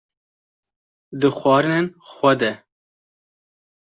di xwarinên xwe de